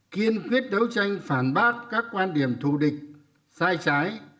kiên quyết đấu tranh phản bác các quan điểm thù địch sai trái